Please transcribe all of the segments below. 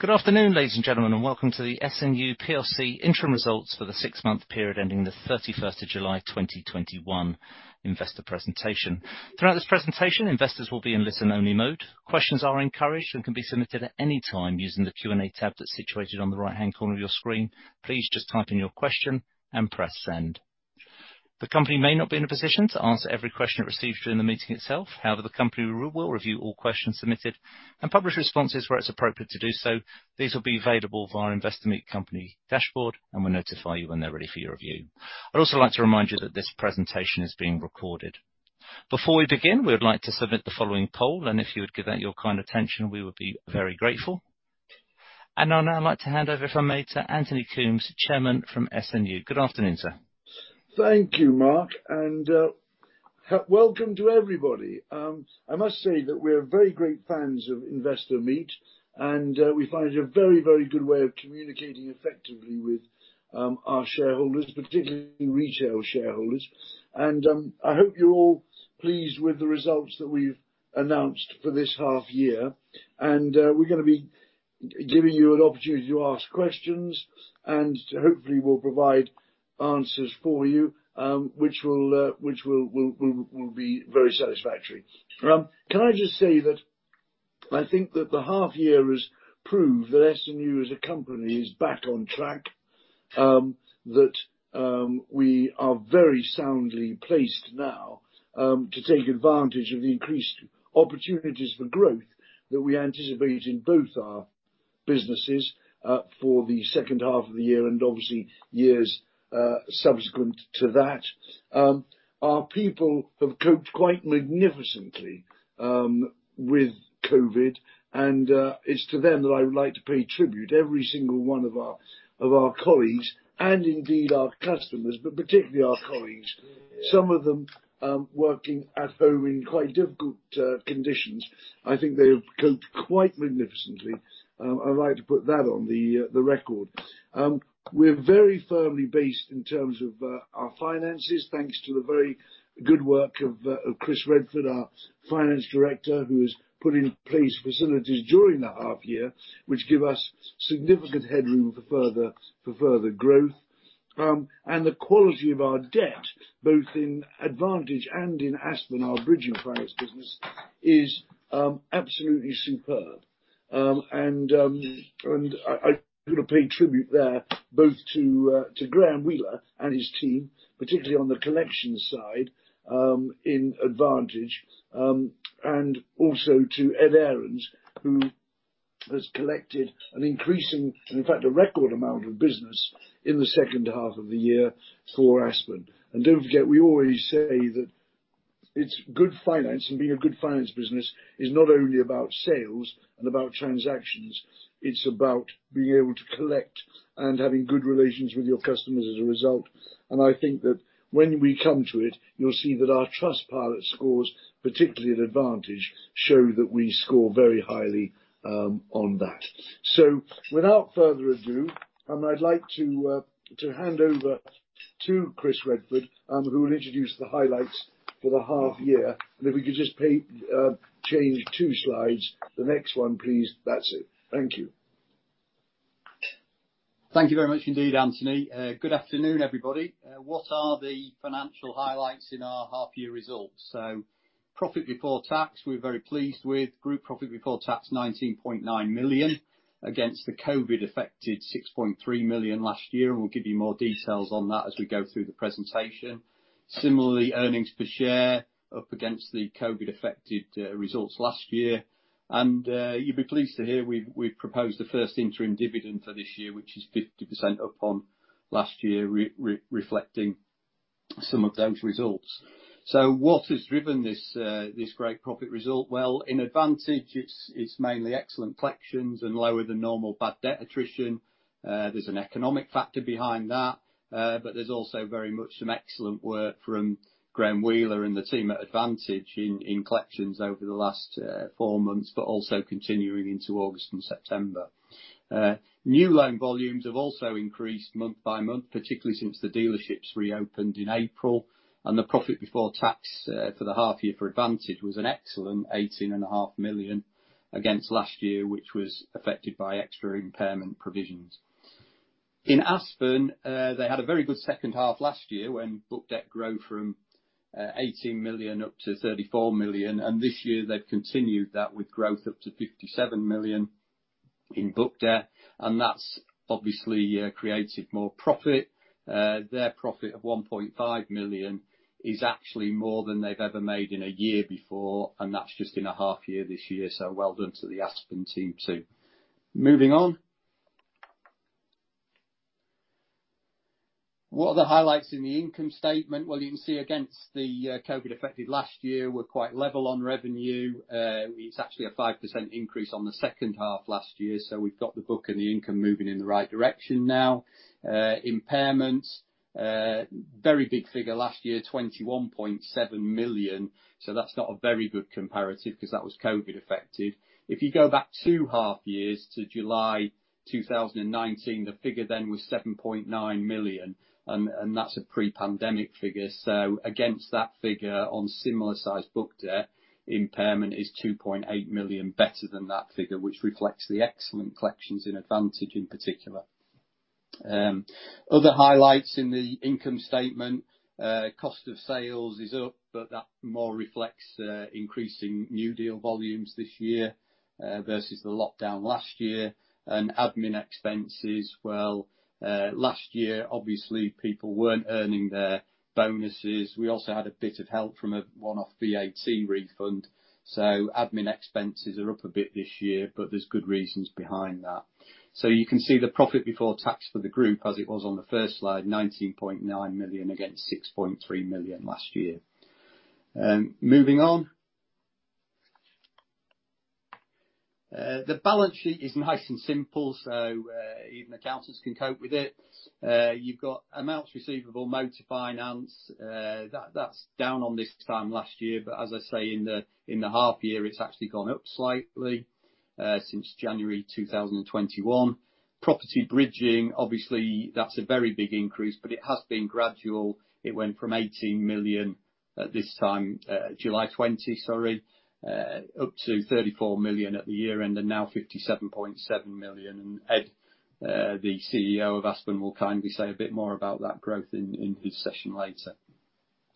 Good afternoon, ladies and gentlemen, and welcome to the S&U plc Interim Results for the six-month Period Ending the July 31, 2021 Investor Presentation. Throughout this presentation, investors will be in listen-only mode. Questions are encouraged and can be submitted at any time using the Q&A tab that is situated on the right-hand corner of your screen. Please just type in your question and press send. The company may not be in a position to answer every question it receives during the meeting itself. However, the company will review all questions submitted and publish responses where it is appropriate to do so. These will be available via our Investor Meet Company dashboard, and we will notify you when they are ready for your review. I would also like to remind you that this presentation is being recorded. Before we begin, we would like to submit the following poll, if you would give that your kind attention, we would be very grateful. I'd now like to hand over, if I may, to Anthony Coombs, Chairman from S&U. Good afternoon, sir. Thank you, Mark, and welcome to everybody. I must say that we are very great fans of Investor Meet, and we find it a very good way of communicating effectively with our shareholders, particularly retail shareholders. I hope you're all pleased with the results that we've announced for this half year. We're going to be giving you an opportunity to ask questions, and hopefully we'll provide answers for you, which will be very satisfactory. Can I just say that I think that the half year has proved that S&U as a company is back on track, that we are very soundly placed now to take advantage of the increased opportunities for growth that we anticipate in both our businesses for the second half of the year and obviously years subsequent to that. Our people have coped quite magnificently with COVID, and it's to them that I would like to pay tribute, every single one of our colleagues and indeed our customers, but particularly our colleagues, some of them working at home in quite difficult conditions. I think they have coped quite magnificently. I'd like to put that on the record. We are very firmly based in terms of our finances, thanks to the very good work of Chris Redford, our finance director, who has put in place facilities during the half year, which give us significant headroom for further growth. The quality of our debt, both in Advantage and in Aspen, our bridging finance business, is absolutely superb. I got to pay tribute there both to Graham Wheeler and his team, particularly on the collections side in Advantage. Also to Edward Ahrens, who has collected an increasing, and in fact, a record amount of business in the second half of the year for Aspen. Don't forget, we always say that it's good finance, and being a good finance business is not only about sales and about transactions, it's about being able to collect and having good relations with your customers as a result. I think that when we come to it, you'll see that our Trustpilot scores, particularly at Advantage, show that we score very highly on that. Without further ado, I'd like to hand over to Chris Redford, who will introduce the highlights for the half year. If we could just change two slides. The next one, please. That's it. Thank you. Thank you very much indeed, Anthony. Good afternoon, everybody. What are the financial highlights in our half year results? Profit before tax, we're very pleased with. Group profit before tax, 19.9 million against the COVID-affected 6.3 million last year, we'll give you more details on that as we go through the presentation. Similarly, earnings per share up against the COVID-affected results last year. You'll be pleased to hear we've proposed the first interim dividend for this year, which is 50% up on last year, reflecting some of those results. What has driven this great profit result? Well, in Advantage Finance, it's mainly excellent collections and lower than normal bad debt attrition. There's an economic factor behind that, but there's also very much some excellent work from Graham Wheeler and the team at Advantage in collections over the last four months, but also continuing into August and September. New loan volumes have also increased month by month, particularly since the dealerships reopened in April. The profit before tax for the half year for Advantage was an excellent 18 and a half million against last year, which was affected by extra impairment provisions. In Aspen, they had a very good second half last year when book debt grew from 18 million up to 34 million. This year they've continued that with growth up to 57 million in book debt, that's obviously created more profit. Their profit of 1.5 million is actually more than they've ever made in a year before. That's just in a half year this year. Well done to the Aspen team, too. Moving on. What are the highlights in the income statement? Well, you can see against the COVID-affected last year, we're quite level on revenue. It's actually a 5% increase on the second half last year. We've got the book and the income moving in the right direction now. Impairments, very big figure last year, 21.7 million. That's not a very good comparative because that was COVID-affected. If you go back two half years to July 2019, the figure then was 7.9 million. That's a pre-pandemic figure. Against that figure on similar size book debt, impairment is 2.8 million better than that figure, which reflects the excellent collections in Advantage in particular. Other highlights in the income statement, cost of sales is up, but that more reflects increasing new deal volumes this year versus the lockdown last year and admin expenses. Last year, obviously, people weren't earning their bonuses. We also had a bit of help from a one-off VAT refund. Admin expenses are up a bit this year, but there's good reasons behind that. You can see the profit before tax for the group as it was on the first slide, 19.9 million against 6.3 million last year. Moving on. The balance sheet is nice and simple, so even accountants can cope with it. You've got amounts receivable, motor finance, that's down on this time last year. As I say, in the half year, it's actually gone up slightly since January 2021. Property bridging, obviously that's a very big increase, but it has been gradual. It went from 18 million at this time, July 2020, sorry, up to 34 million at the year end, and now 57.7 million. Ed, the CEO of Aspen, will kindly say a bit more about that growth in his session later.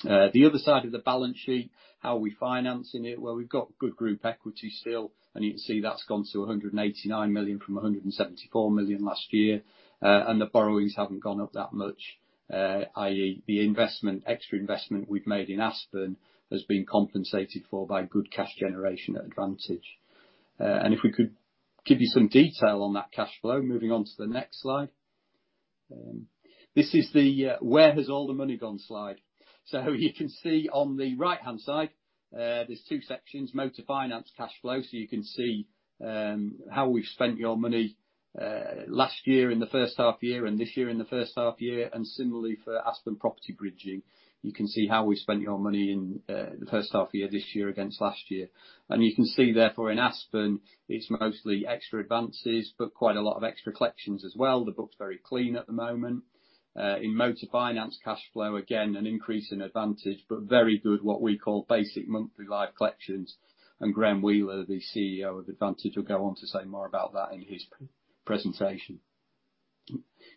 The other side of the balance sheet, how are we financing it? Well, we've got good group equity still, and you can see that's gone to 189 million from 174 million last year. The borrowings haven't gone up that much, i.e. the extra investment we've made in Aspen has been compensated for by good cash generation at Advantage. If we could give you some detail on that cash flow, moving on to the next slide. This is the where has all the money gone slide. You can see on the right-hand side, there's two sections, motor finance cash flow. You can see how we've spent your money last year in the first half year and this year in the first half year. Similarly for Aspen Property Bridging. You can see how we've spent your money in the first half year this year against last year. You can see, therefore, in Aspen, it's mostly extra advances, but quite a lot of extra collections as well. The book's very clean at the moment. In motor finance cash flow, again, an increase in Advantage, but very good, what we call basic monthly live collections. Graham Wheeler, the CEO of Advantage, will go on to say more about that in his presentation.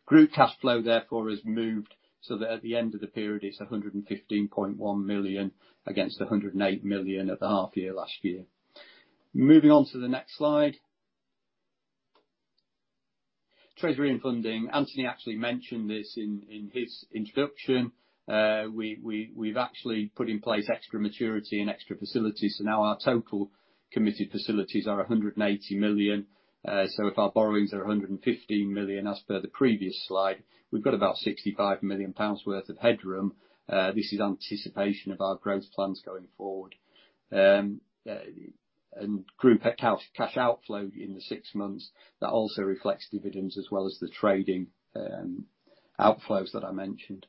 Group cash flow, therefore, has moved so that at the end of the period it's 115.1 million against 108 million at the half year last year. Moving on to the next slide. Treasury and funding. Anthony actually mentioned this in his introduction. We've actually put in place extra maturity and extra facilities. Now our total committed facilities are 180 million. If our borrowings are 115 million as per the previous slide, we've got about 65 million pounds worth of headroom. This is anticipation of our growth plans going forward. Group cash outflow in the six months, that also reflects dividends as well as the trading outflows that I mentioned.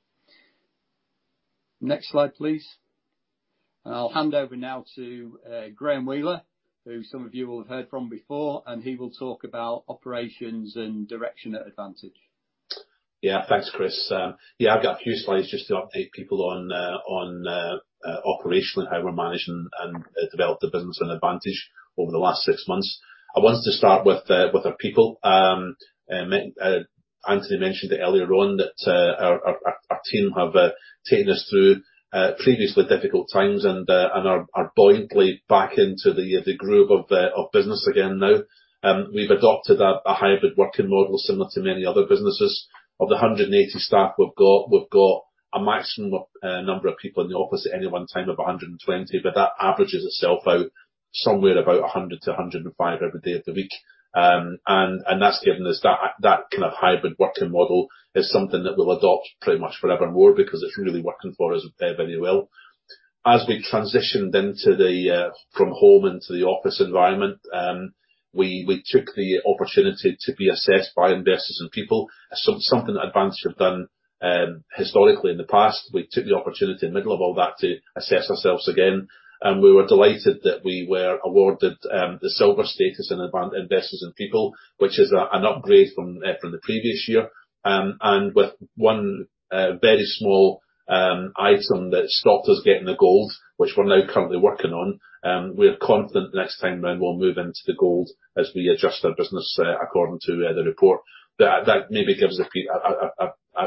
Next slide, please. I'll hand over now to Graham Wheeler, who some of you will have heard from before, and he will talk about operations and direction at Advantage. Yeah. Thanks, Chris Redford. Yeah, I've got a few slides just to update people on operationally how we're managing and develop the business in Advantage over the last six months. I wanted to start with our people. Anthony Coombs mentioned it earlier on that our team have taken us through previously difficult times and are buoyantly back into the groove of business again now. We've adopted a hybrid working model similar to many other businesses. Of the 180 staff we've got, we've got a maximum number of people in the office at any one time of 120, but that averages itself out somewhere about 100 to 105 every day of the week. That kind of hybrid working model is something that we'll adopt pretty much forever more because it's really working for us very well. As we transitioned from home into the office environment, we took the opportunity to be assessed by Investors in People. Something that Advantage have done historically in the past. We took the opportunity in the middle of all that to assess ourselves again, we were delighted that we were awarded the silver status in Investors in People, which is an upgrade from the previous year. With one very small item that stopped us getting the gold, which we're now currently working on, we are confident next time round we'll move into the gold as we adjust our business according to the report. That maybe gives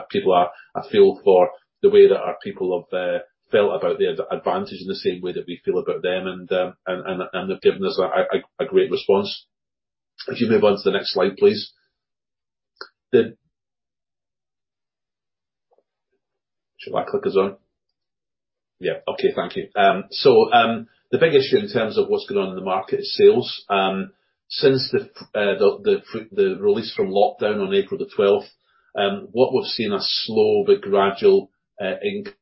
people a feel for the way that our people have felt about the Advantage in the same way that we feel about them, they've given us a great response. If you move on to the next slide, please. Is my clicker on? Yeah. Okay. Thank you. The big issue in terms of what's going on in the market is sales. Since the release from lockdown on April the 12th, what we've seen a slow but gradual increase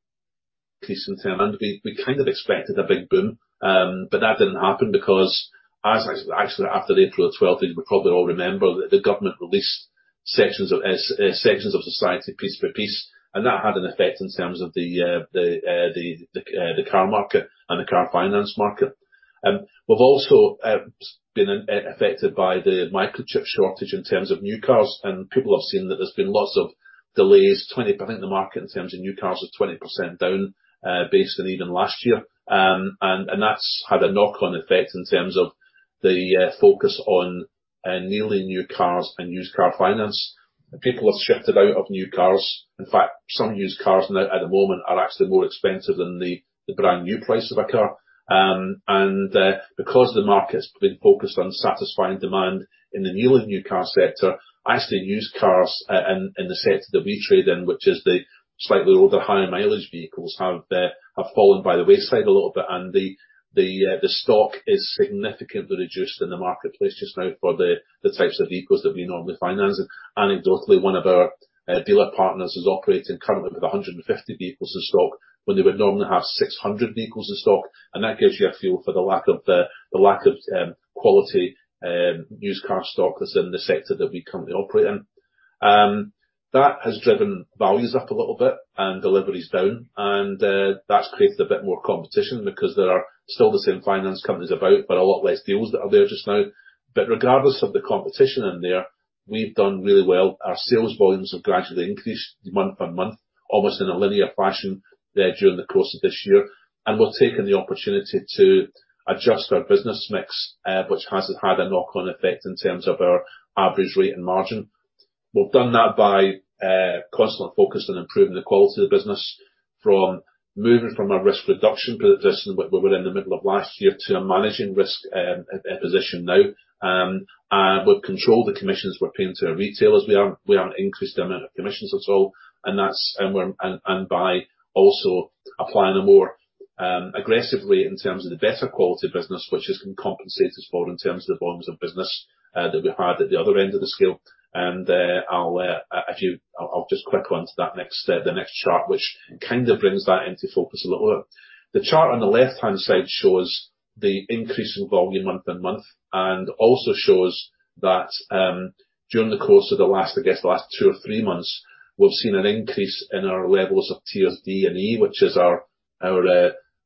in demand. We kind of expected a big boom, but that didn't happen because actually after April 12th, you probably all remember, the government released sections of society piece by piece, and that had an effect in terms of the car market and the car finance market. We've also been affected by the microchip shortage in terms of new cars, and people have seen that there's been lots of delays. I think the market in terms of new cars is 20% down based on even last year. That's had a knock-on effect in terms of the focus on nearly new cars and used car finance. People have shifted out of new cars. In fact, some used cars now at the moment are actually more expensive than the brand new price of a car. Because the market's been focused on satisfying demand in the nearly new car sector, actually used cars in the sector that we trade in, which is the slightly older, higher mileage vehicles, have fallen by the wayside a little bit, and the stock is significantly reduced in the marketplace just now for the types of vehicles that we normally finance. Anecdotally, one of our dealer partners is operating currently with 150 vehicles in stock when they would normally have 600 vehicles in stock. That gives you a feel for the lack of quality used car stock that's in the sector that we currently operate in. That has driven values up a little bit and deliveries down. That's created a bit more competition because there are still the same finance companies about, but a lot less deals that are there just now. Regardless of the competition in there, we've done really well. Our sales volumes have gradually increased month-on-month, almost in a linear fashion during the course of this year. We've taken the opportunity to adjust our business mix, which has had a knock-on effect in terms of our average rate and margin. We've done that by constant focus on improving the quality of the business, from moving from a risk reduction position that we were in the middle of last year to a managing risk position now. We've controlled the commissions we're paying to our retailers. We haven't increased the amount of commissions at all. By also applying a more aggressive rate in terms of the better quality business, which has compensated for in terms of the volumes of business that we've had at the other end of the scale. I'll just click onto the next chart, which kind of brings that into focus a little bit. The chart on the left-hand side shows the increase in volume month-on-month, and also shows that during the course of, I guess, the last two or three months, we've seen an increase in our levels of Tiers D and E, which is our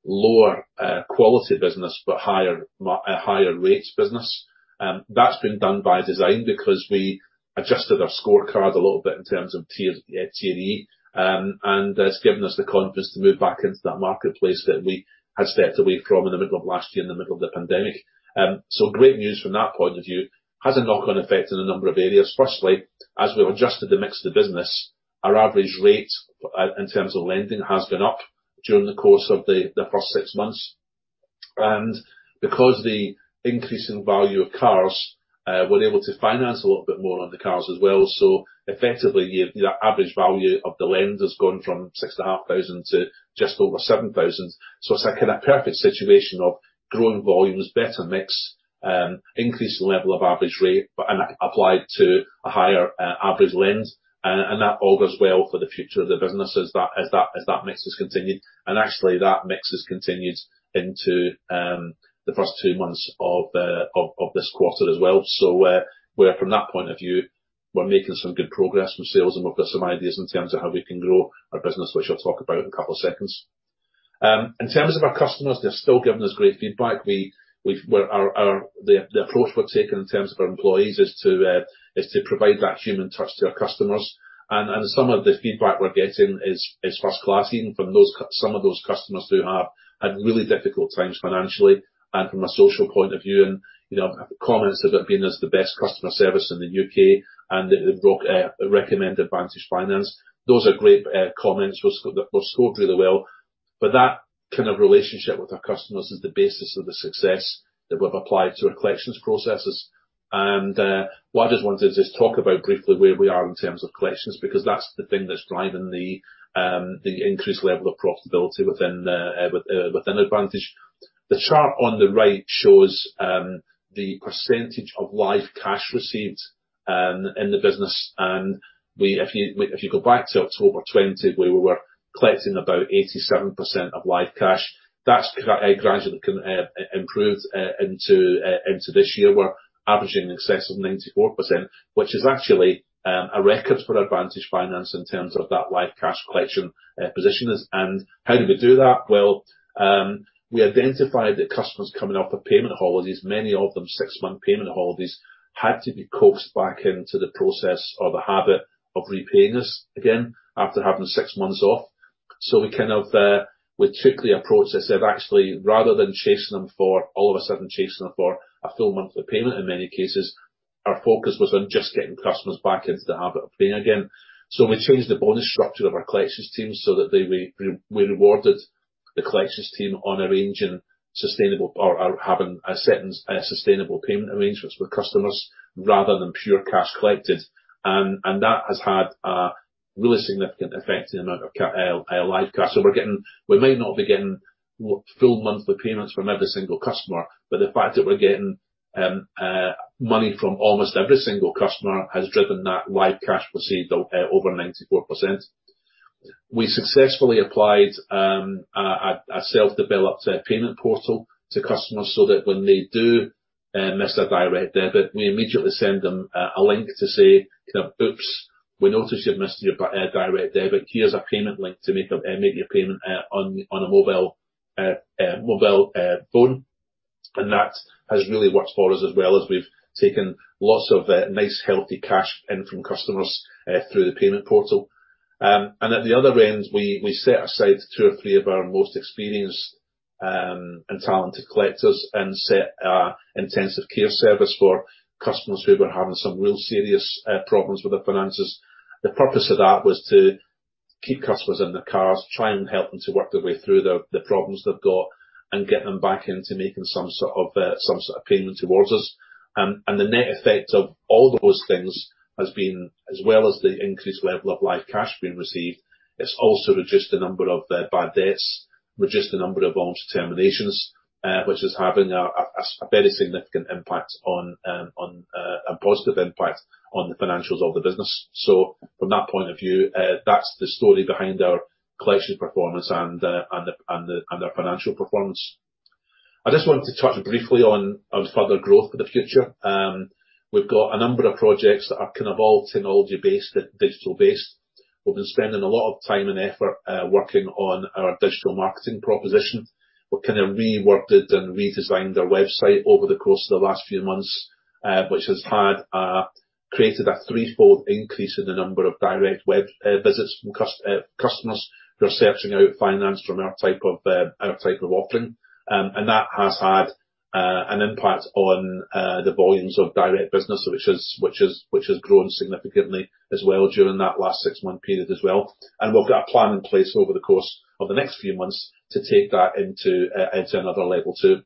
lower quality business but higher rates business. That's been done by design because we adjusted our scorecard a little bit in terms of Tier D, and it's given us the confidence to move back into that marketplace that we had stepped away from in the middle of last year, in the middle of the pandemic. Great news from that point of view. It has a knock-on effect in a number of areas. Firstly, as we've adjusted the mix of the business, our average rate in terms of lending has been up during the course of the first six months. Because the increase in value of cars, we're able to finance a little bit more on the cars as well. Effectively, your average value of the lend has gone from 6,500 to just over 7,000. It's like in a perfect situation of growing volumes, better mix, increased level of average rate, and applied to a higher average lend. That all goes well for the future of the business as that mix has continued. Actually, that mix has continued into the first two months of this quarter as well. From that point of view, we're making some good progress with sales, and we've got some ideas in terms of how we can grow our business, which I'll talk about in a couple of seconds. In terms of our customers, they're still giving us great feedback. The approach we're taking in terms of our employees is to provide that human touch to our customers. Some of the feedback we're getting is first class, even from some of those customers who have had really difficult times financially and from a social point of view. Comments about being as the best customer service in the U.K. and that they'd recommend Advantage Finance. Those are great comments that were scored really well. That kind of relationship with our customers is the basis of the success that we've applied to our collections processes. What I just wanted to do is talk about briefly where we are in terms of collections, because that's the thing that's driving the increased level of profitability within Advantage. The chart on the right shows the percentage of live cash received in the business. If you go back to October 2020, where we were collecting about 87% of live cash, that's gradually improved into this year. We're averaging in excess of 94%, which is actually a record for Advantage Finance in terms of that live cash collection position. How did we do that? Well, we identified that customers coming off of payment holidays, many of them six-month payment holidays, had to be coaxed back into the process or the habit of repaying us again after having six months off. We took the approach that said, actually, rather than all of a sudden chasing them for a full monthly payment in many cases, our focus was on just getting customers back into the habit of paying again. We changed the bonus structure of our collections team so that we rewarded the collections team on arranging sustainable or having sustainable payment arrangements with customers rather than pure cash collected. That has had a really significant effect on the amount of live cash. We might not be getting full monthly payments from every single customer, but the fact that we're getting money from almost every single customer has driven that live cash received over 94%. We successfully applied a self-developed payment portal to customers so that when they do miss a direct debit, we immediately send them a link to say, Oops, we noticed you've missed your direct debit. Here's a payment link to make your payment on a mobile phone. That has really worked for us as well as we've taken lots of nice, healthy cash in from customers through the payment portal. At the other end, we set aside two or three of our most experienced and talented collectors, and set an intensive care service for customers who were having some real serious problems with their finances. The purpose of that was to keep customers in their cars, try and help them to work their way through the problems they've got, and get them back into making some sort of payment towards us. The net effect of all those things has been, as well as the increased level of live cash being received, it's also reduced the number of bad debts, reduced the number of loan terminations, which is having a very significant impact and positive impact on the financials of the business. From that point of view, that's the story behind our collections performance and our financial performance. I just wanted to touch briefly on further growth for the future. We've got a number of projects that are all technology based and digital based. We've been spending a lot of time and effort, working on our digital marketing proposition. We've kind of reworked and redesigned our website over the course of the last few months, which has created a threefold increase in the number of direct web visits from customers who are searching out finance from our type of offering. That has had an impact on the volumes of direct business, which has grown significantly as well during that last six-month period as well. We've got a plan in place over the course of the next few months to take that into another level, too.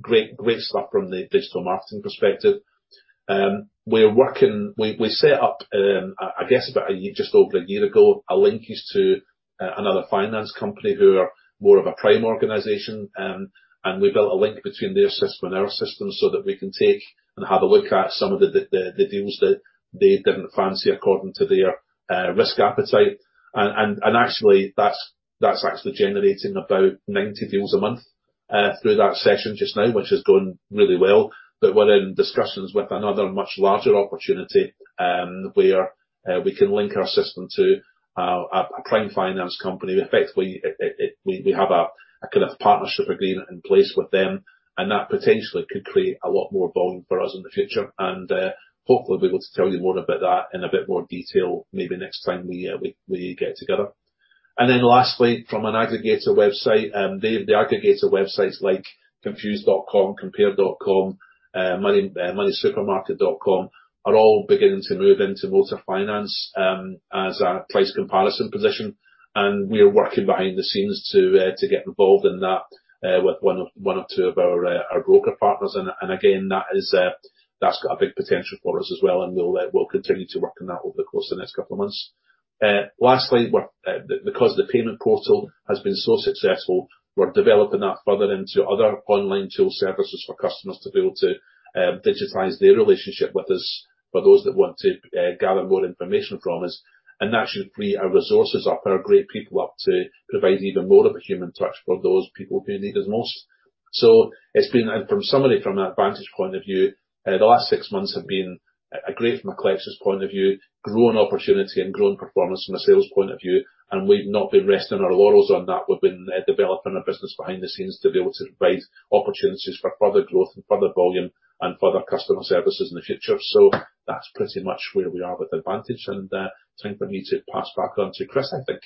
Great stuff from the digital marketing perspective. We set up, I guess about just over a year ago, a linkage to another finance company who are more of a prime organization. We built a link between their system and our system so that we can take and have a look at some of the deals that they didn't fancy according to their risk appetite. That's actually generating about 90 deals a month through that session just now, which is going really well. We're in discussions with another much larger opportunity, where we can link our system to a prime finance company, where effectively we have a kind of partnership agreement in place with them, that potentially could create a lot more volume for us in the future. Hopefully, we'll be able to tell you more about that in a bit more detail maybe next time we get together. Lastly, from an aggregator website. The aggregator websites like confused.com, compare.com, moneysupermarket.com are all beginning to move into motor finance, as a price comparison position. We are working behind the scenes to get involved in that, with one or two of our broker partners. Again, that's got a big potential for us as well, and we'll continue to work on that over the course of the next couple of months. Lastly, because the payment portal has been so successful, we're developing that further into other online tool services for customers to be able to digitize their relationship with us, for those that want to gather more information from us. That should free our resources up, our great people up, to provide even more of a human touch for those people who need us most. In summary from an Advantage point of view, the last six months have been great from a collections point of view, growing opportunity and growing performance from a sales point of view. We've not been resting on our laurels on that. We've been developing our business behind the scenes to be able to provide opportunities for further growth and further volume and further customer services in the future. That's pretty much where we are with Advantage, and time for me to pass back on to Chris, I think.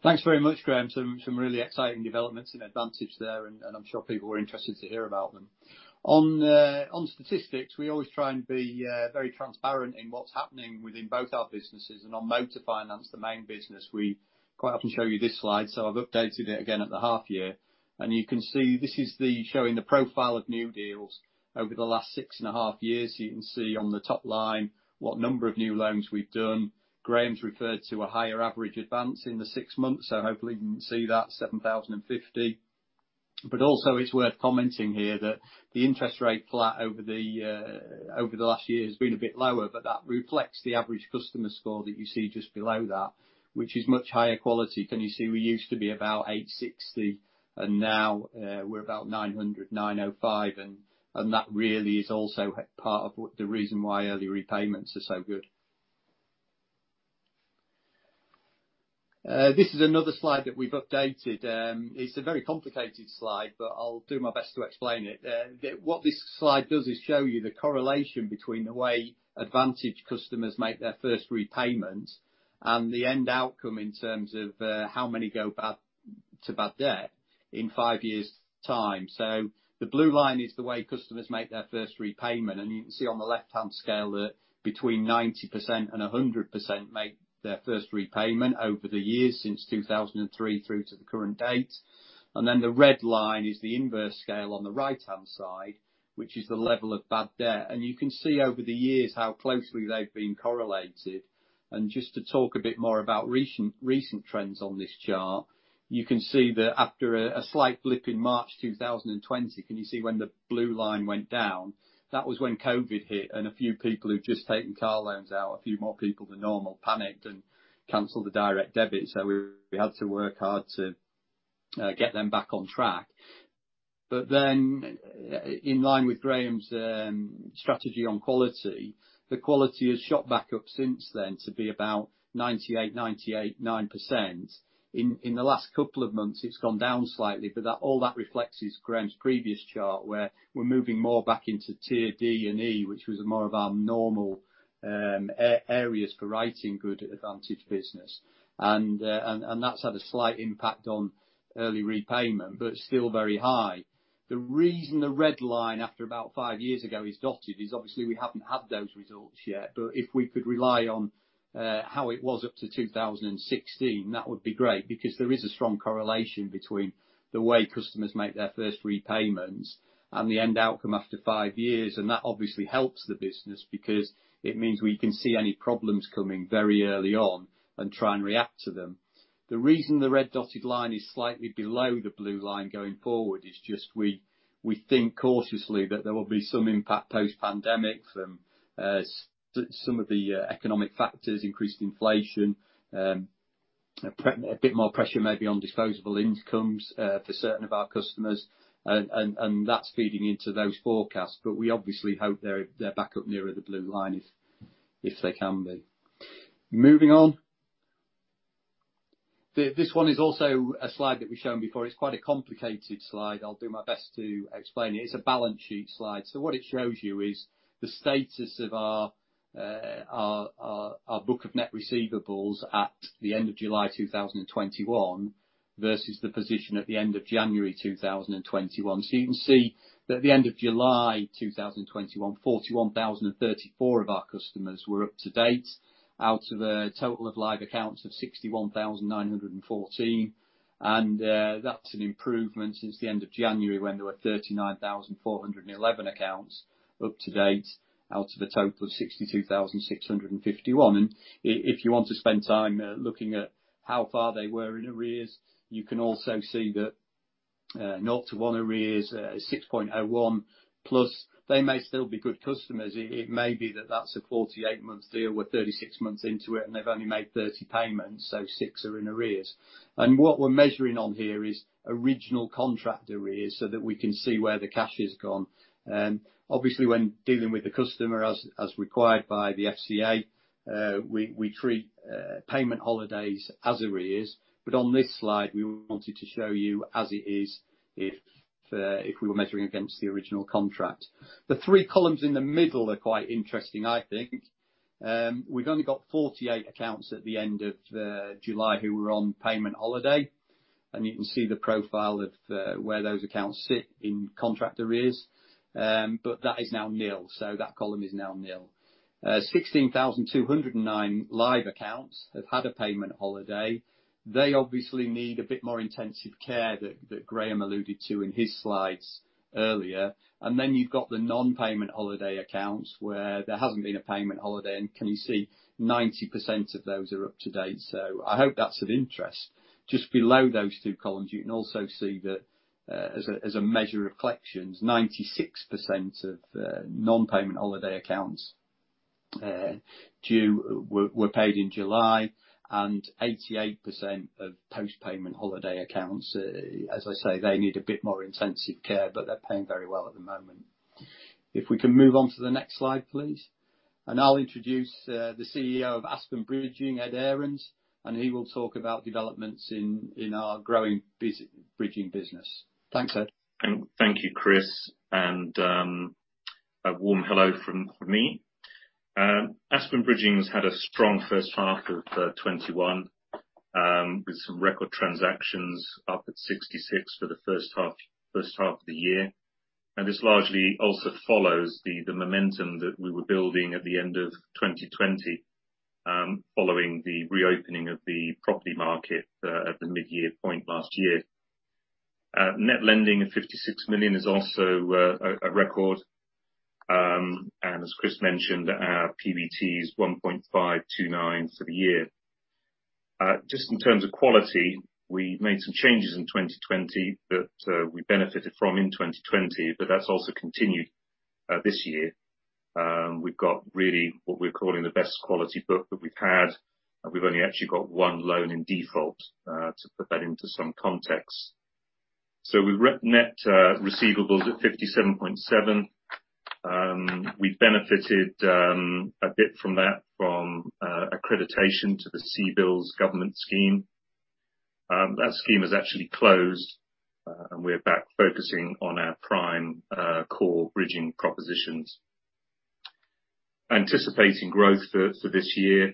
Thanks very much, Graham. Some really exciting developments in Advantage there, and I'm sure people were interested to hear about them. On statistics, we always try and be very transparent in what's happening within both our businesses. On motor finance, the main business, we quite often show you this slide. I've updated it again at the half year. You can see this is showing the profile of new deals over the last six and a half years. You can see on the top line what number of new loans we've done. Graham's referred to a higher average advance in the six months, so hopefully you can see that 7,050. Also it's worth commenting here that the interest rate flat over the last one year has been a bit lower. That reflects the average customer score that you see just below that, which is much higher quality. Can you see we used to be about 860, and now we're about 900, 905, and that really is also part of the reason why early repayments are so good. This is another slide that we've updated. It's a very complicated slide, I'll do my best to explain it. What this slide does is show you the correlation between the way Advantage customers make their first repayment and the end outcome in terms of how many go to bad debt in five years time. The blue line is the way customers make their first repayment, and you can see on the left-hand scale that between 90% and 100% make their first repayment over the years since 2003 through to the current date. The red line is the inverse scale on the right-hand side, which is the level of bad debt. You can see over the years how closely they've been correlated. Just to talk a bit more about recent trends on this chart, you can see that after a slight blip in March 2020, can you see when the blue line went down? That was when COVID hit, and a few people who'd just taken car loans out, a few more people than normal panicked and canceled the direct debit. We had to work hard to get them back on track. In line with Graham's strategy on quality, the quality has shot back up since then to be about 98%, 99%. In the last couple of months, it's gone down slightly, but all that reflects is Graham's previous chart, where we're moving more back into Tiers D and E, which was more of our normal areas for writing good advantage business. That's had a slight impact on early repayment, but still very high. The reason the red line after about five years ago is dotted, is obviously we haven't had those results yet. If we could rely on how it was up to 2016, that would be great, because there is a strong correlation between the way customers make their first repayments and the end outcome after five years. That obviously helps the business, because it means we can see any problems coming very early on and try and react to them. The reason the red dotted line is slightly below the blue line going forward is just we think cautiously that there will be some impact post-pandemic from some of the economic factors, increased inflation, a bit more pressure maybe on disposable incomes for certain of our customers. That's feeding into those forecasts. We obviously hope they're back up nearer the blue line, if they can be. Moving on. This one is also a slide that we've shown before. It's quite a complicated slide. I'll do my best to explain it. It's a balance sheet slide. What it shows you is the status of our book of net receivables at the end of July 2021 versus the position at the end of January 2021. You can see that at the end of July 2021, 41,034 of our customers were up to date out of a total of live accounts of 61,914. That's an improvement since the end of January, when there were 39,411 accounts up to date out of a total of 62,651. If you want to spend time looking at how far they were in arrears, you can also see that no to one arrears, 6.01+, they may still be good customers. It may be that that's a 48-month deal. We're 36 months into it, and they've only made 30 payments, so six are in arrears. What we're measuring on here is original contract arrears so that we can see where the cash has gone. Obviously, when dealing with the customer as required by the FCA, we treat payment holidays as arrears. On this slide, we wanted to show you as it is, if we were measuring against the original contract. The three columns in the middle are quite interesting, I think. We'd only got 48 accounts at the end of July who were on payment holiday. You can see the profile of where those accounts sit in contract arrears. That is now nil. That column is now nil. 16,209 live accounts have had a payment holiday. They obviously need a bit more intensive care that Graham alluded to in his slides earlier. Then you've got the non-payment holiday accounts, where there hasn't been a payment holiday, and can you see 90% of those are up to date. I hope that's of interest. Just below those two columns, you can also see that as a measure of collections, 96% of non-payment holiday accounts due were paid in July, and 88% of post-payment holiday accounts. As I say, they need a bit more intensive care, but they're paying very well at the moment. If we can move on to the next slide, please, and I'll introduce the CEO of Aspen Bridging, Edward Ahrens, and he will talk about developments in our growing bridging business. Thanks, Ed. Thank you, Chris, and a warm hello from me. Aspen Bridging has had a strong first half of 2021, with some record transactions up at 66 for the first half of the year. This largely also follows the momentum that we were building at the end of 2020, following the reopening of the property market at the mid-year point last year. Net lending of 56 million is also a record. As Chris mentioned, our PBT is 1.529 for the year. Just in terms of quality, we made some changes in 2020 that we benefited from in 2020, but that's also continued this year. We've got really what we're calling the best quality book that we've had. We've only actually got one loan in default to put that into some context. We've net receivables at 57.7. We benefited a bit from that from accreditation to the CBILS government scheme. That scheme has actually closed. We're back focusing on our prime core bridging propositions. Anticipating growth for this year,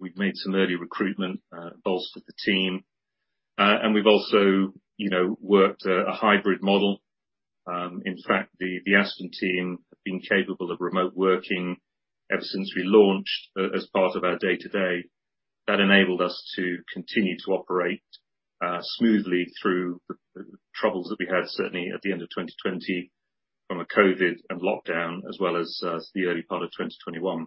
we've made some early recruitment, bolstered the team. We've also worked a hybrid model. In fact, the Aspen team have been capable of remote working ever since we launched as part of our day-to-day. That enabled us to continue to operate smoothly through the troubles that we had, certainly at the end of 2020 from the COVID and lockdown, as well as the early part of 2021.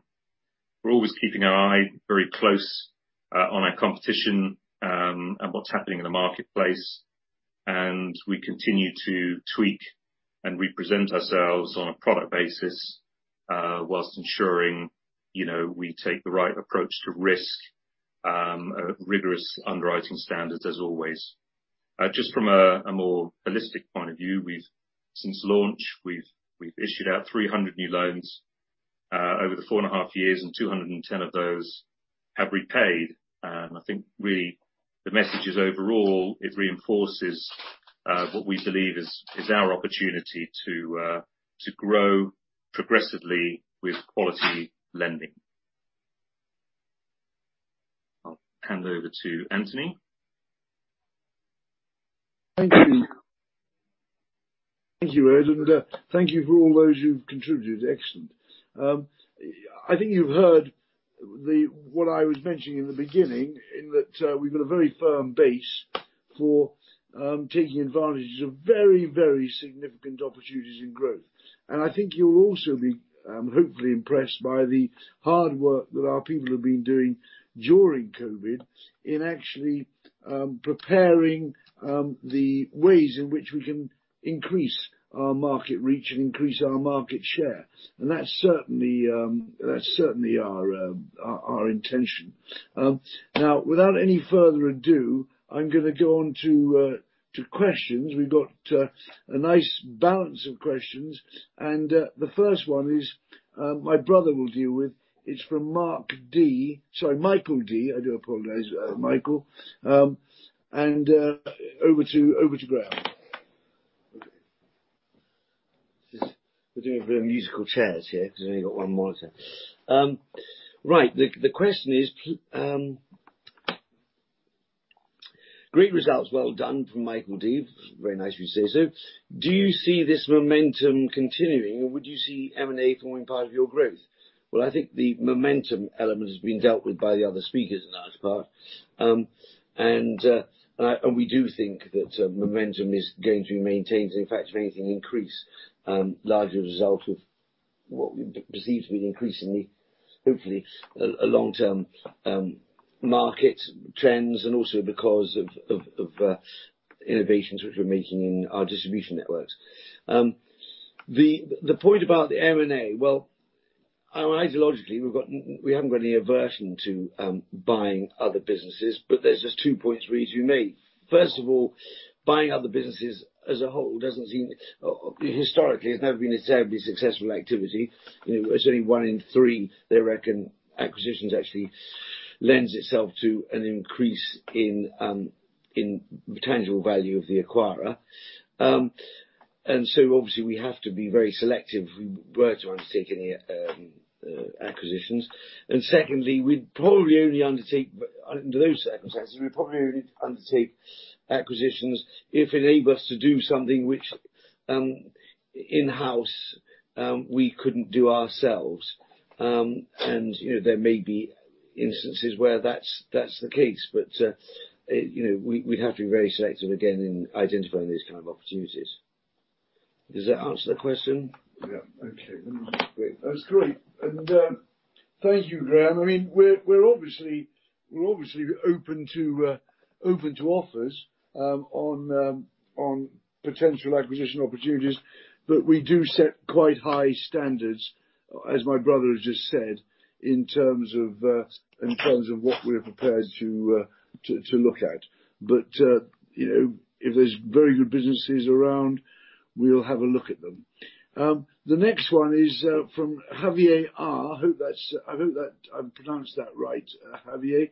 We're always keeping our eye very close on our competition, and what's happening in the marketplace, and we continue to tweak and represent ourselves on a product basis whilst ensuring we take the right approach to risk. A rigorous underwriting standard as always. Just from a more holistic point of view, since launch, we've issued out 300 new loans over the 4.5 years, and 210 of those have repaid. I think really, the message is overall, it reinforces what we believe is our opportunity to grow progressively with quality lending. I'll hand over to Anthony. Thank you. Thank you, Edward Ahrens. Thank you for all those who've contributed. Excellent. I think you've heard what I was mentioning in the beginning, in that we've got a very firm base for taking advantage of very, very significant opportunities in growth. I think you'll also be, hopefully, impressed by the hard work that our people have been doing during COVID in actually preparing the ways in which we can increase our market reach and increase our market share. That's certainly our intention. Now, without any further ado, I'm going to go on to questions. We've got a nice balance of questions, the first one is, my brother will deal with. It's from Michael D. I do apologize, Michael. Over to Graham. We're doing a bit of musical chairs here because I've only got one monitor. Right. The question is, great results. Well done, from Michael D. Very nice of you to say so. Do you see this momentum continuing, or would you see M&A forming part of your growth? Well, I think the momentum element has been dealt with by the other speakers in large part. We do think that momentum is going to be maintained, in fact, if anything, increase, largely a result of what we perceive to be increasingly, hopefully, a long-term market trends, and also because of innovations which we're making in our distribution networks. The point about the M&A, well, ideologically, we haven't got any aversion to buying other businesses, but there's just two points really to make. First of all, buying other businesses as a whole doesn't seem historically has never been a terribly successful activity. It's only one in three, they reckon, acquisitions actually lends itself to an increase in tangible value of the acquirer. Obviously, we have to be very selective were to undertake any acquisitions. Secondly, we'd probably only undertake under those circumstances, we'd probably only undertake acquisitions if it enables us to do something which in-house we couldn't do ourselves. There may be instances where that's the case. We'd have to be very selective again in identifying these kind of opportunities. Does that answer the question? Yeah. Okay. Great. That was great. Thank you, Graham. We're obviously open to offers on potential acquisition opportunities, but we do set quite high standards, as my brother has just said, in terms of what we're prepared to look at. If there's very good businesses around, we'll have a look at them. The next one is from Javier R. I hope that I've pronounced that right, Javier.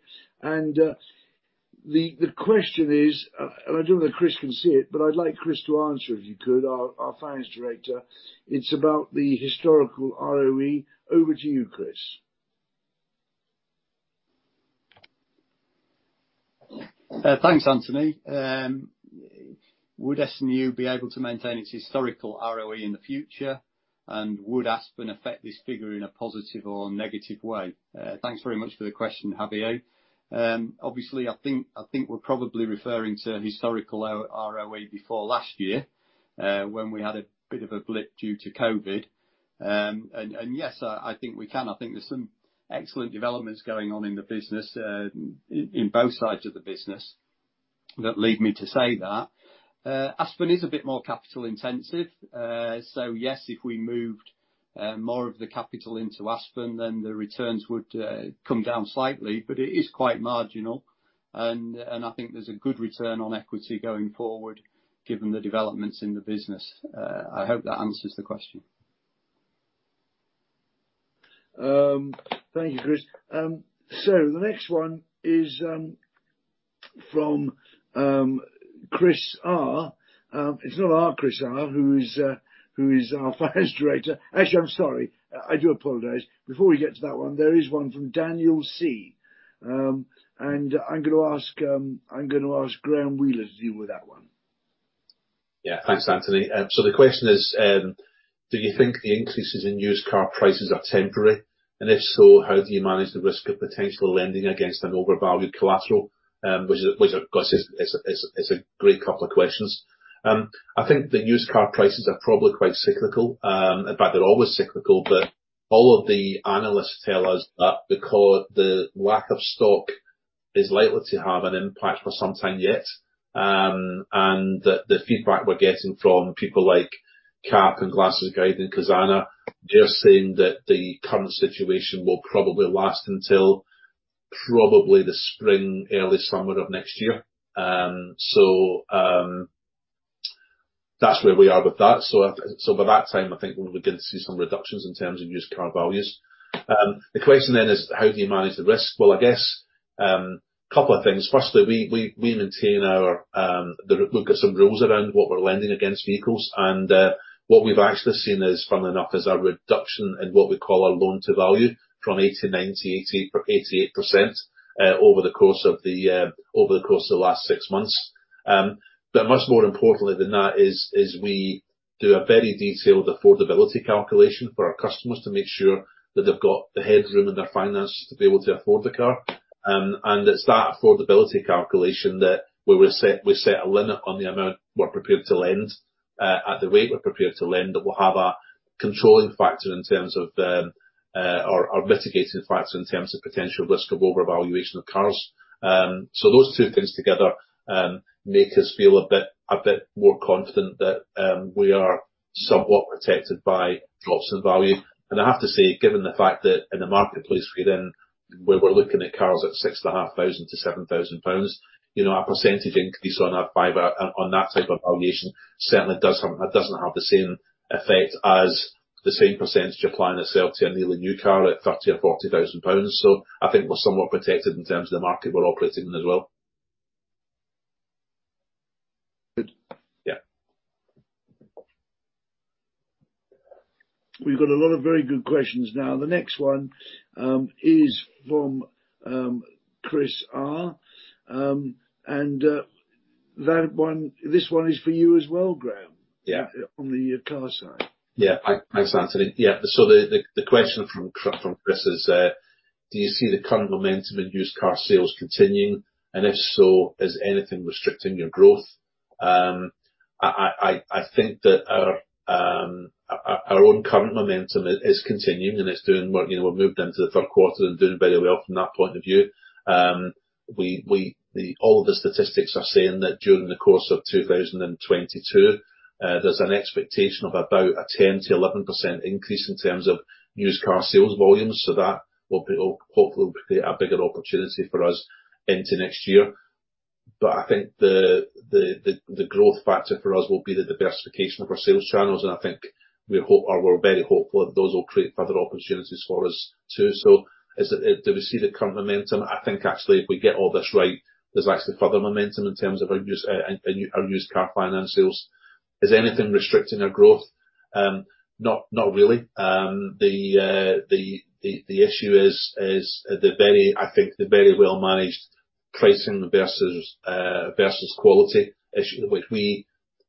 The question is, and I don't know that Chris can see it, but I'd like Chris to answer, if you could, our Finance Director. It's about the historical ROE. Over to you, Chris. Thanks, Anthony. Would S&U be able to maintain its historical ROE in the future? Would Aspen affect this figure in a positive or negative way? Thanks very much for the question, Javier. Obviously, I think we're probably referring to historical ROE before last year, when we had a bit of a blip due to COVID. Yes, I think we can. I think there's some excellent developments going on in the business, in both sides of the business that lead me to say that. Aspen is a bit more capital intensive. Yes, if we moved more of the capital into Aspen, then the returns would come down slightly, but it is quite marginal. I think there's a good return on equity going forward given the developments in the business. I hope that answers the question. Thank you, Chris. The next one is from Chris R. It's not our Chris Redford, who is our Finance Director. Actually, I'm sorry. I do apologize. Before we get to that one, there is one from Daniel C. I'm going to ask Graham Wheeler to deal with that one. Yeah. Thanks, Anthony. The question is, do you think the increases in used car prices are temporary? If so, how do you manage the risk of potential lending against an overvalued collateral? Which, of course, is a great couple of questions. I think the used car prices are probably quite cyclical. In fact, they're always cyclical, but all of the analysts tell us that because the lack of stock is likely to have an impact for some time yet. The feedback we're getting from people like cap hpi and Glass's Guide and Cazana, they're saying that the current situation will probably last until probably the spring, early summer of next year. That's where we are with that. By that time, I think we'll begin to see some reductions in terms of used car values. The question then is, how do you manage the risk? Well, I guess, couple of things. Firstly, we've got some rules around what we're lending against vehicles, and what we've actually seen is, funnily enough, is a reduction in what we call our loan to value from 80%, 90%, 80%, 88% over the course of the last six months. Much more importantly than that is we do a very detailed affordability calculation for our customers to make sure that they've got the headroom in their finances to be able to afford the car. It's that affordability calculation that we set a limit on the amount we're prepared to lend at the rate we're prepared to lend, that will have a controlling factor in terms of, or mitigating factor in terms of potential risk of overvaluation of cars. Those two things together make us feel a bit more confident that we are somewhat protected by drops in value. I have to say, given the fact that in the marketplace we are in, where we're looking at cars at 6,500 to 7,000 pounds, our percentage increase on that type of valuation certainly doesn't have the same effect as the same percentage applying itself to a nearly new car at 30,000 or 40,000 pounds. I think we're somewhat protected in terms of the market we're operating in as well. Good. Yeah. We've got a lot of very good questions now. The next one is from Chris R. This one is for you as well, Graham. Yeah. On the car side. Thanks, Anthony. The question from Chris is, do you see the current momentum in used car sales continuing? If so, is anything restricting your growth? I think that our own current momentum is continuing. We've moved into the third quarter and doing very well from that point of view. All of the statistics are saying that during the course of 2022, there's an expectation of about a 10%-11% increase in terms of used car sales volumes. That will hopefully create a bigger opportunity for us into next year. I think the growth factor for us will be the diversification of our sales channels, and I think we're very hopeful that those will create further opportunities for us, too. Do we see the current momentum? I think actually, if we get all this right, there's actually further momentum in terms of our used car finance sales. Is anything restricting our growth? Not really. The issue is the very well-managed pricing versus quality issue, which we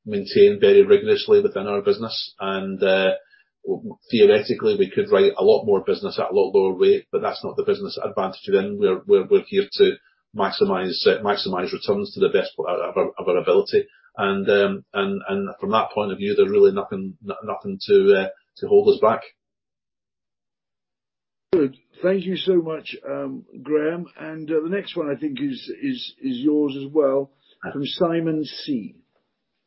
maintain very rigorously within our business. Theoretically, we could write a lot more business at a lot lower rate, but that's not the business advantage within. We're here to maximize returns to the best of our ability. From that point of view, there's really nothing to hold us back. Good. Thank you so much, Graham. The next one, I think, is yours as well, from Simon C.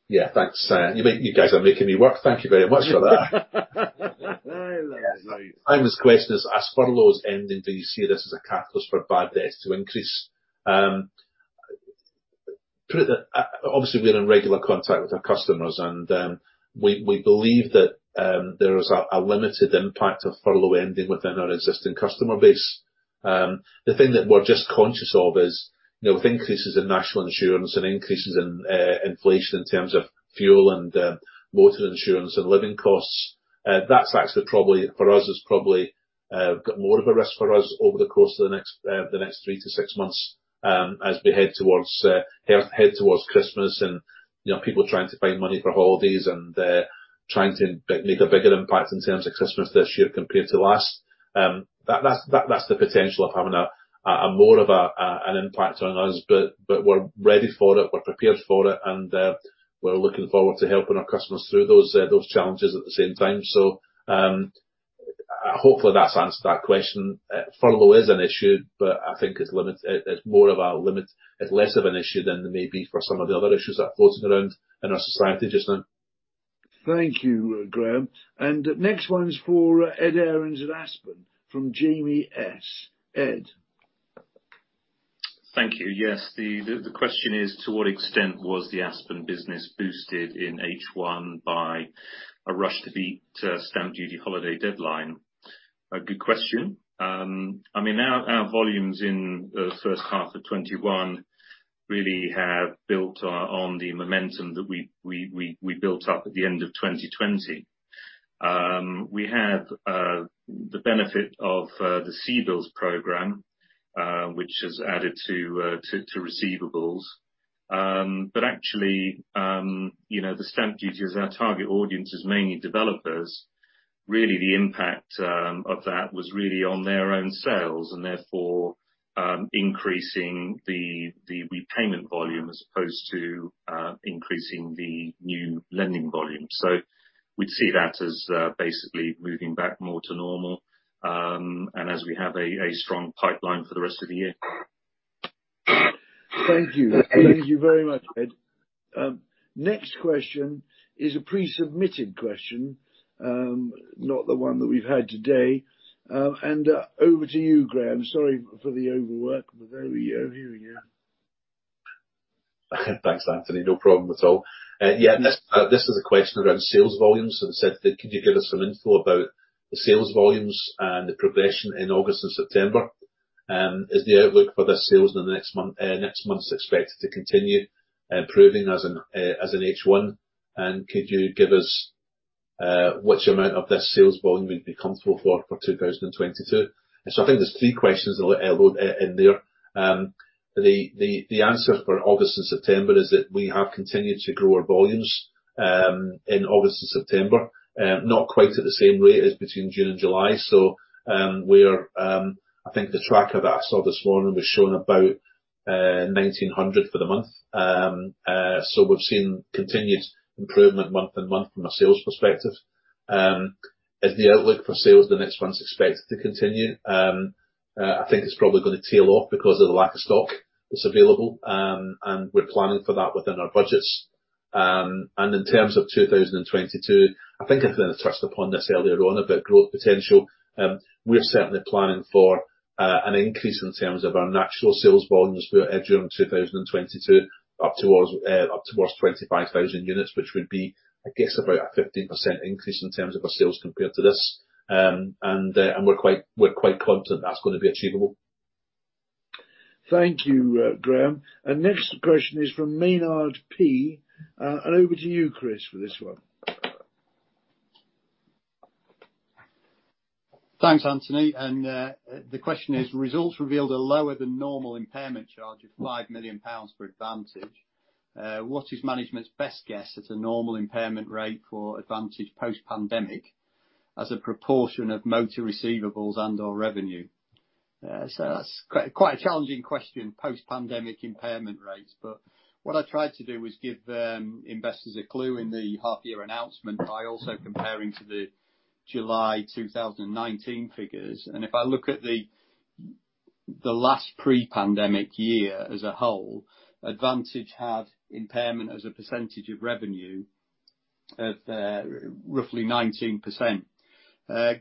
Yeah. Thanks, Simon. You guys are making me work. Thank you very much for that. I love it. Simon's question is, as furloughs end, do you see this as a catalyst for bad debts to increase? Obviously, we are in regular contact with our customers, and we believe that there is a limited impact of furlough ending within our existing customer base. The thing that we're just conscious of is, with increases in national insurance and increases in inflation in terms of fuel and motor insurance and living costs, that's actually probably, for us, has probably got more of a risk for us over the course of the next three to six months as we head towards Christmas and people trying to find money for holidays, and trying to make a bigger impact in terms of Christmas this year compared to last. That's the potential of having more of an impact on us. We're ready for it, we're prepared for it, and we're looking forward to helping our customers through those challenges at the same time. Hopefully that's answered that question. Furlough is an issue, but I think it's less of an issue than there may be for some of the other issues that are floating around in our society just now. Thank you, Graham. Next one is for Edward Ahrens at Aspen from Jamie S. Ed. Thank you. Yes. The question is, to what extent was the Aspen business boosted in H1 by a rush to beat stamp duty holiday deadline? A good question. Our volumes in the first half of 2021 really have built on the momentum that we built up at the end of 2020. We have the benefit of the CBILS program, which has added to receivables. Actually, the stamp duty, as our target audience is mainly developers, really the impact of that was really on their own sales, and therefore increasing the repayment volume as opposed to increasing the new lending volume. We see that as basically moving back more to normal, and as we have a strong pipeline for the rest of the year. Thank you. Thank you very much, Ed. Next question is a pre-submitted question, not the one that we've had today. Over to you, Graham. Sorry for the overwork, but there we are. Thanks, Anthony. No problem at all. Yeah, this is a question around sales volumes, could you give us some info about the sales volumes and the progression in August and September? Is the outlook for the sales in the next month expected to continue improving as in H1? Could you give us which amount of this sales volume we'd be comfortable for 2022? I think there's three questions a load in there. The answer for August and September is that we have continued to grow our volumes in August and September, not quite at the same rate as between June and July. I think the tracker that I saw this morning was showing about 1,900 for the month. We've seen continued improvement month and month from a sales perspective. Is the outlook for sales the next month's expected to continue? I think it's probably going to tail off because of the lack of stock that's available, and we're planning for that within our budgets. In terms of 2022, I think I touched upon this earlier on about growth potential. We're certainly planning for an increase in terms of our natural sales volumes for during 2022, up towards 25,000 units, which would be, I guess, about a 15% increase in terms of our sales compared to this. We're quite confident that's going to be achievable. Thank you, Graham. Next question is from Maynard P. Over to you, Chris, for this one. Thanks, Anthony. The question is, results revealed a lower than normal impairment charge of 5 million pounds for Advantage. What is management's best guess at a normal impairment rate for Advantage post-pandemic as a proportion of motor receivables and/or revenue? That's quite a challenging question, post-pandemic impairment rates. What I tried to do was give the investors a clue in the half year announcement by also comparing to the July 2019 figures. If I look at the last pre-pandemic year as a whole, Advantage had impairment as a percentage of revenue of roughly 19%.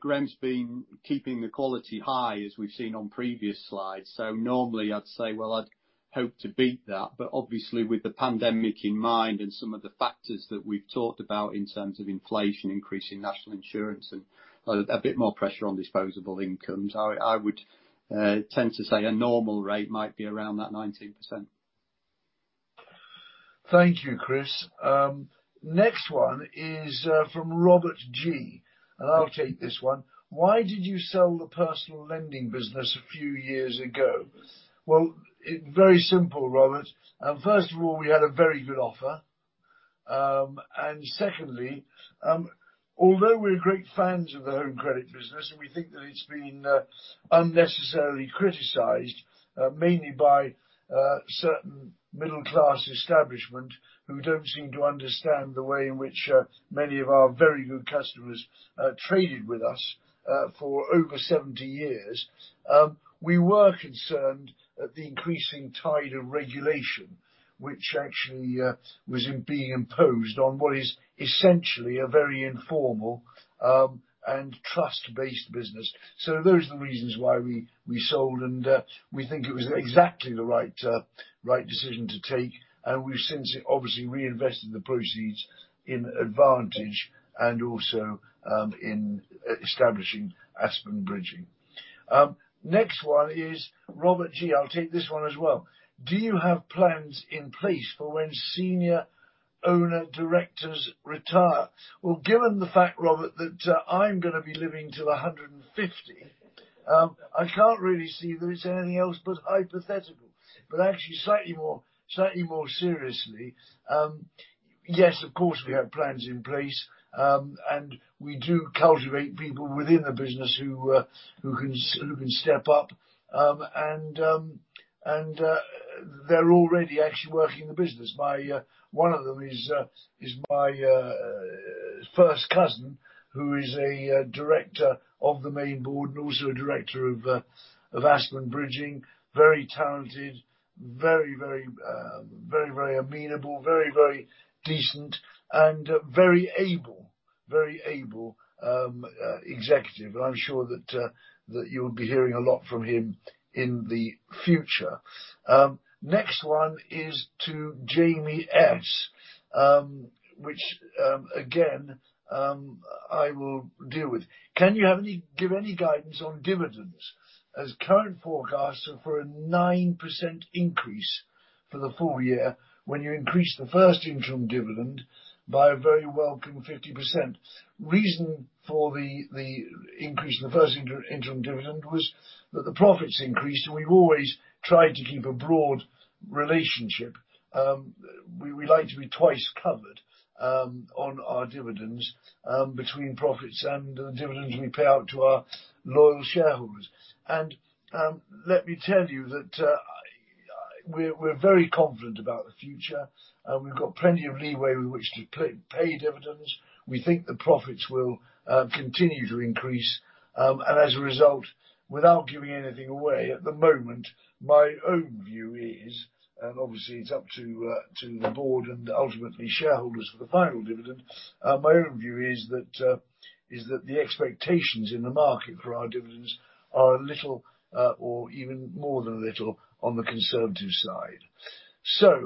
Graham's been keeping the quality high, as we've seen on previous slides. Normally I'd say, well, I'd hope to beat that, but obviously with the pandemic in mind and some of the factors that we've talked about in terms of inflation increasing, National Insurance, and a bit more pressure on disposable incomes, I would tend to say a normal rate might be around that 19%. Thank you, Chris. Next one is from Robert G. I'll take this one. Why did you sell the personal lending business a few years ago? Well, it very simple, Robert. First of all, we had a very good offer. Secondly, although we're great fans of the home credit business, and we think that it's been unnecessarily criticized, mainly by certain middle class establishment who don't seem to understand the way in which many of our very good customers traded with us for over 70 years. We were concerned at the increasing tide of regulation, which actually was being imposed on what is essentially a very informal, and trust-based business. Those are the reasons why we sold, and we think it was exactly the right decision to take. We've since obviously reinvested the proceeds in Advantage and also in establishing Aspen Bridging. Next one is Robert G. I'll take this one as well. Do you have plans in place for when senior owner/directors retire? Well, given the fact, Robert, that I'm going to be living till 150, I can't really see that it's anything else but hypothetical. Actually, slightly more seriously, yes, of course, we have plans in place. We do cultivate people within the business who can step up. They're already actually working in the business. One of them is my first cousin, who is a director of the main board and also a director of Aspen Bridging. Very talented, very amenable, very decent, and very able executive. I'm sure that you'll be hearing a lot from him in the future. Next one is to Jamie S., which again, I will deal with. Can you give any guidance on dividends as current forecasts are for a 9% increase for the full year when you increase the first interim dividend by a very welcome 50%? Reason for the increase in the first interim dividend was that the profits increased, and we've always tried to keep a broad relationship. We like to be twice covered on our dividends, between profits and the dividends we pay out to our loyal shareholders. Let me tell you that we're very confident about the future, and we've got plenty of leeway with which to pay dividends. We think the profits will continue to increase. As a result, without giving anything away, at the moment, my own view is, and obviously it's up to the board and ultimately shareholders for the final dividend, my own view is that the expectations in the market for our dividends are a little, or even more than a little, on the conservative side.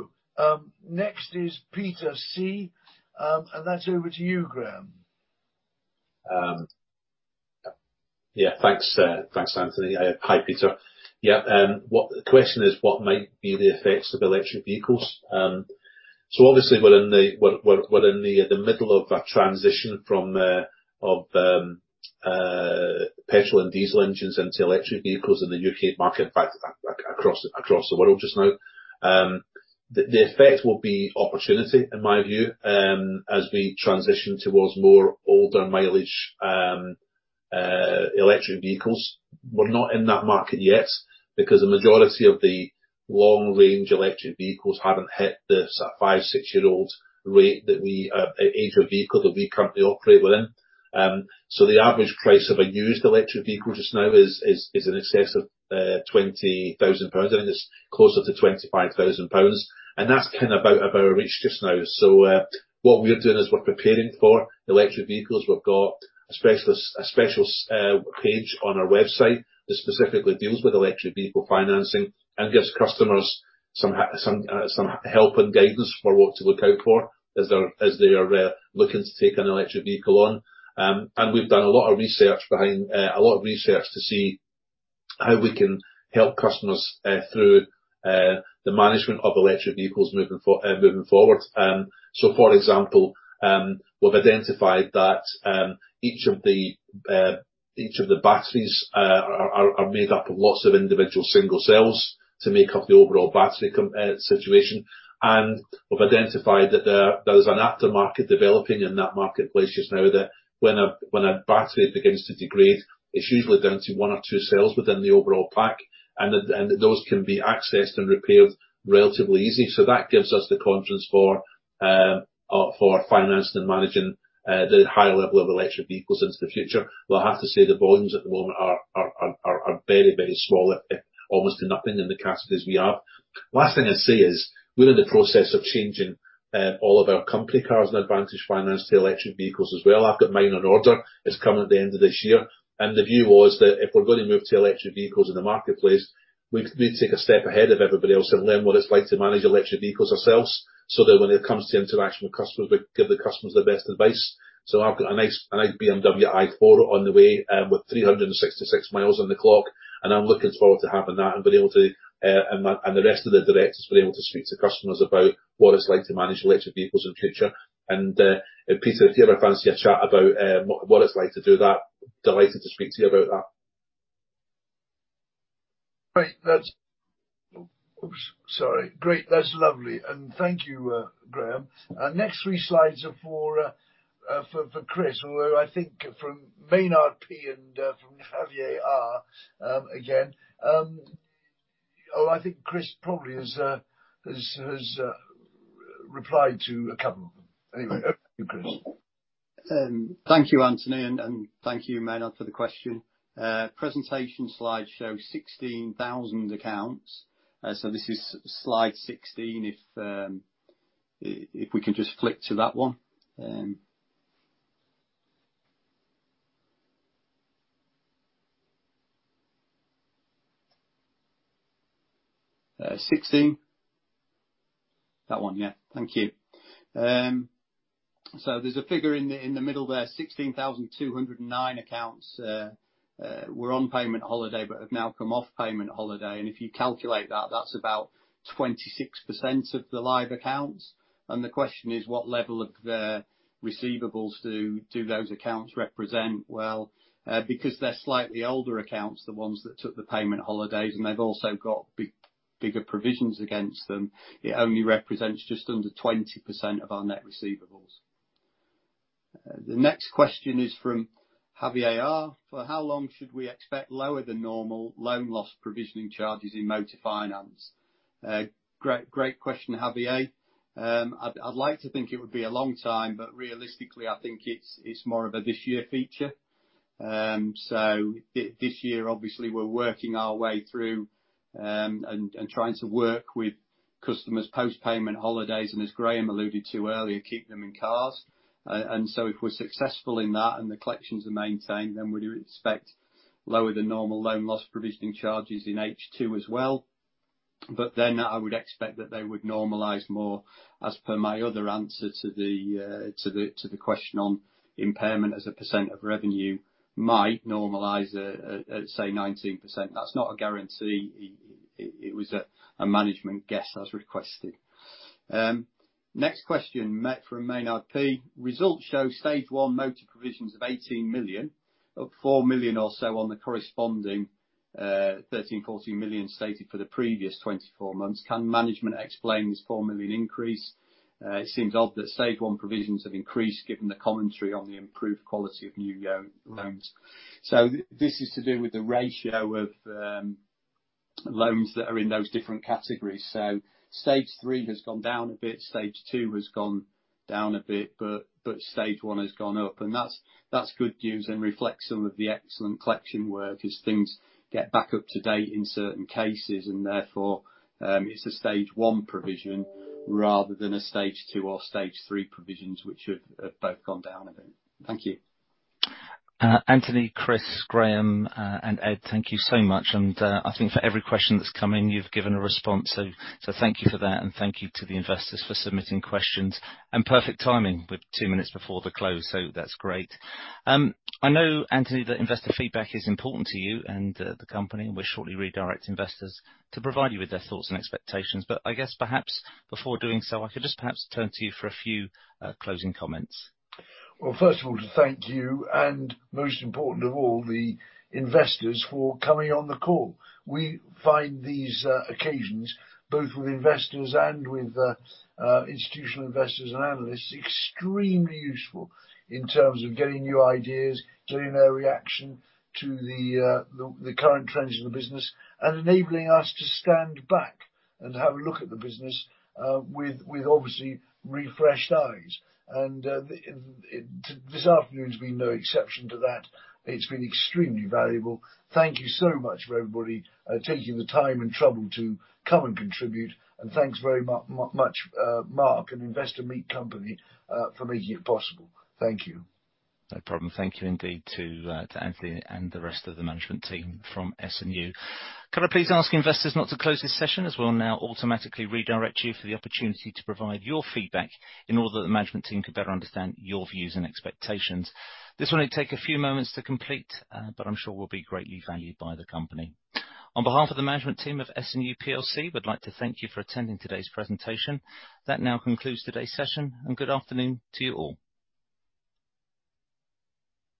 Next is Peter C. That's over to you, Graham. Yeah. Thanks, Anthony. Hi, Peter. Yeah. The question is, what might be the effects of electric vehicles? Obviously we're in the middle of a transition from petrol and diesel engines into electric vehicles in the U.K. market, in fact, across the world just now. The effect will be opportunity, in my view, as we transition towards more older mileage electric vehicles. We're not in that market yet because the majority of the long-range electric vehicles haven't hit the five, six-year-old rate that we age of vehicle that we currently operate within. The average price of a used electric vehicle just now is in excess of 20,000 pounds. I mean, it's closer to 25,000 pounds, and that's kind of out of our reach just now. What we are doing is we're preparing for electric vehicles. We've got a special page on our website that specifically deals with electric vehicle financing and gives customers some help and guidance for what to look out for as they are looking to take an electric vehicle on. We've done a lot of research to see how we can help customers through the management of electric vehicles moving forward. So for example, we've identified that each of the batteries are made up of lots of individual single cells to make up the overall battery situation. We've identified that there is an aftermarket developing in that marketplace just now that when a battery begins to degrade, it's usually down to one or two cells within the overall pack, and that those can be accessed and repaired relatively easy. That gives us the confidence for financing and managing the higher level of electric vehicles into the future. We'll have to say the volumes at the moment are very, very small, almost to nothing in the capacities we have. Last thing I'd say is, we're in the process of changing all of our company cars and Advantage Finance to electric vehicles as well. I've got mine on order. It's coming at the end of this year. The view was that if we're going to move to electric vehicles in the marketplace, we need to take a step ahead of everybody else and learn what it's like to manage electric vehicles ourselves, so that when it comes to interaction with customers, we give the customers the best advice. I've got a nice BMW i4 on the way, with 366 mi on the clock, and I'm looking forward to having that and being able to, and the rest of the directors being able to speak to customers about what it's like to manage electric vehicles in future. Peter, if you ever fancy a chat about, what it's like to do that, delighted to speak to you about that. Great. That's lovely. Thank you, Graham. Next three slides are for Chris, who I think from Maynard P and from Javier R, again. I think Chris probably has replied to a couple of them anyway. Over to you, Chris. Thank you, Anthony, and thank you, Maynard, for the question. Presentation slide show 16,000 accounts. This is slide 16 if we can just flick to that one. 16. That one, yeah. Thank you. There's a figure in the middle there, 16,209 accounts were on payment holiday but have now come off payment holiday. If you calculate that's about 26% of the live accounts. The question is, what level of the receivables do those accounts represent? Well, because they're slightly older accounts, the ones that took the payment holidays, and they've also got bigger provisions against them, it only represents just under 20% of our net receivables. The next question is from Javier R. For how long should we expect lower than normal loan loss provisioning charges in motor finance? Great question, Javier. I'd like to think it would be a long time, but realistically, I think it's more of a this year feature. This year, obviously, we're working our way through and trying to work with customers post payment holidays, and as Graham alluded to earlier, keeping them in cars. If we're successful in that and the collections are maintained, then we'd expect lower than normal loan loss provisioning charges in H2 as well. I would expect that they would normalize more as per my other answer to the question on impairment as a percent of revenue might normalize at, say, 19%. That's not a guarantee. It was a management guess, as requested. Next question, Matt from Maynard P. Results show Stage 1 motor provisions of 18 million. Up 4 million or so on the corresponding, 13 million-14 million stated for the previous 24 months. Can management explain this 4 million increase? It seems odd that Stage one provisions have increased given the commentary on the improved quality of new loans. This is to do with the ratio of loans that are in those different categories. Stage three has gone down a bit, Stage two has gone down a bit, but Stage one has gone up. That's good news and reflects some of the excellent collection work as things get back up to date in certain cases, and therefore, it's a Stage one provision rather than a Stage two or Stage three provisions, which have both gone down a bit. Thank you. Anthony, Chris, Graham, and Ed, thank you so much. I think for every question that has come in, you have given a response. Thank you for that, and thank you to the investors for submitting questions. Perfect timing with two minutes before the close, so that is great. I know, Anthony, that investor feedback is important to you and the company, and we will shortly redirect investors to provide you with their thoughts and expectations. I guess perhaps before doing so, I could just perhaps turn to you for a few closing comments. Well, first of all, to thank you, and most important of all, the investors for coming on the call. We find these occasions, both with investors and with institutional investors and analysts, extremely useful in terms of getting new ideas, getting their reaction to the current trends of the business, and enabling us to stand back and have a look at the business with obviously refreshed eyes. This afternoon's been no exception to that. It's been extremely valuable. Thank you so much for everybody taking the time and trouble to come and contribute. Thanks very much, Mark and Investor Meet Company, for making it possible. Thank you. No problem. Thank you indeed to Anthony and the rest of the management team from S&U. Could I please ask investors not to close this session as we'll now automatically redirect you for the opportunity to provide your feedback in order that the management team can better understand your views and expectations. This will only take a few moments to complete, but I'm sure will be greatly valued by the company. On behalf of the management team of S&U plc, we'd like to thank you for attending today's presentation. That now concludes today's session, and good afternoon to you all.